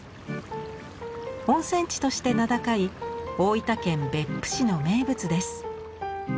温泉地として名高い大分県別府市の名物です。